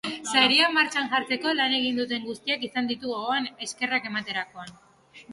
Saria martxan jartzeko lan egin duten guztiak izan ditu gogoan eskerrak ematerakoan.